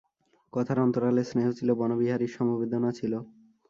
কথার অন্তরালে স্নেহ ছিল বনবিহারীর, সমবেদনা ছিল।